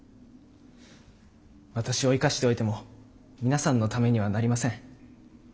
私を生かしておいても皆さんのためにはなりません。